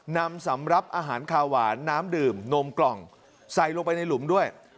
นำสำหรับอาหารคาหวานน้ำดื่มนมกล่องใส่ลงไปในหลุมด้วย